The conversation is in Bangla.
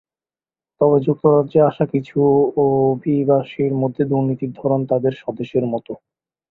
তবে যুক্তরাজ্যে আসা কিছু অভিবাসীর মধ্যে দুর্নীতির ধরন তাঁদের স্বদেশের মতো।